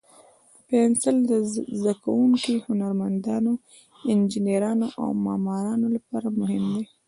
پنسل د زده کوونکو، هنرمندانو، انجینرانو، او معمارانو لپاره مهم دی.